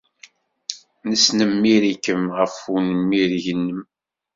Nesnemmir-ikem ɣef unmireg-nnem.